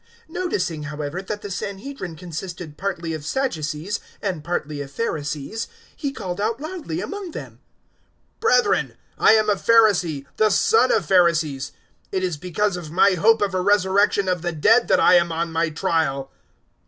'" 023:006 Noticing, however, that the Sanhedrin consisted partly of Sadducees and partly of Pharisees, he called out loudly among them, "Brethren, I am a Pharisee, the son of Pharisees. It is because of my hope of a resurrection of the dead that I am on my trial."